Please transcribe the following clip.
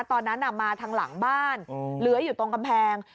ตอนนั้นมาทางหลังบ้านเหลืออยู่ตรงกำแพง